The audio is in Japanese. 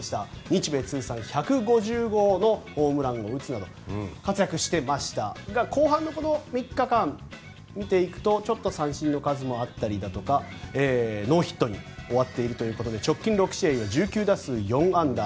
日米通算１５０号のホームランを打つなど活躍していましたが後半の３日間を見ていくとちょっと三振の数もあったりとかノーヒットに終わっているということで直近６試合は１９打数４安打。